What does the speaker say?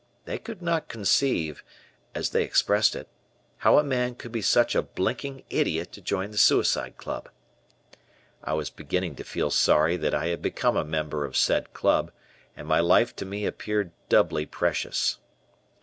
They could not conceive, as they expressed it, how a man could be such a blinking idiot to join the Suicide Club. I was beginning to feel sorry that I had become a member of said club, and my life to me appeared doubly precious.